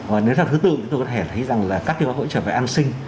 và nếu theo thứ tự thì tôi có thể thấy rằng là các gói hỗ trợ phải an sinh